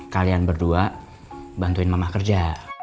kalian berdua bantuin mamah kerja